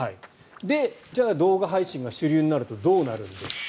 じゃあ動画配信が主流になるとどうなるんですか。